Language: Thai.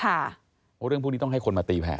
เพราะเรื่องพวกนี้ต้องให้คนมาตีแผ่